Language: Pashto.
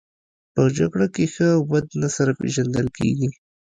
په جګړه کې ښه او بد نه سره پېژندل کیږي